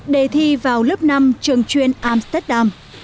đề thi vào lớp năm trường chuyên amsterdam